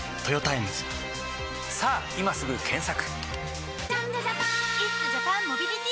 さぁ今すぐ検索！